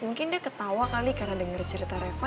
mungkin dia ketawa kali karena dengar cerita reva